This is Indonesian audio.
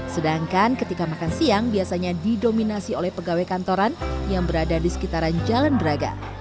sedangkan ketika makan siang biasanya didominasi oleh pegawai kantoran yang berada di sekitaran jalan braga